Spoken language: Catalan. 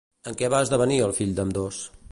En què va esdevenir el fill d'ambdós?